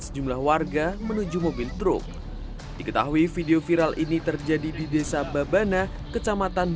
sejumlah warga menuju mobil truk diketahui video viral ini terjadi di desa babana kecamatan